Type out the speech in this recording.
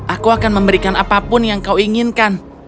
aku akan memberikan apapun yang kau inginkan